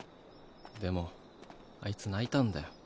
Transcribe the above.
でもあいつ泣いたんだよ